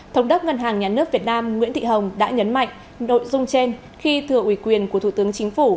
thống đốc ngân hàng nhà nước việt nam nguyễn thị hồng đã nhấn mạnh nội dung trên khi thừa ủy quyền của thủ tướng chính phủ